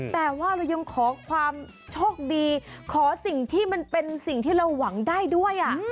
แต่ว่าเรายังขอความโชคดีขอสิ่งที่มันเป็นสิ่งที่เราหวังได้ด้วย